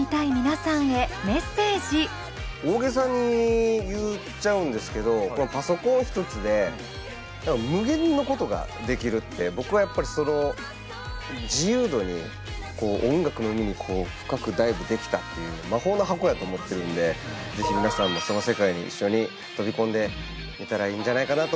大げさに言っちゃうんですけどこのパソコン一つで無限のことができるって僕はやっぱりその自由度に音楽の海に深くダイブできたっていう魔法の箱やと思ってるんで是非皆さんもその世界に一緒に飛び込んでみたらいいんじゃないかなと思います。